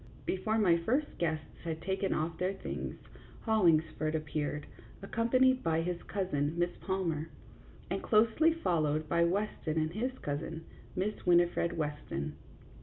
Before my first guests had taken off their things Hollingsford appeared, accompanied by his cousin, Miss Palmer, and closely followed by Weston and his cousin, Miss Winifred Weston.